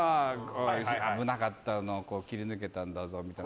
危なかったのを切り抜けたんだぞみたいな。